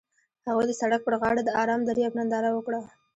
هغوی د سړک پر غاړه د آرام دریاب ننداره وکړه.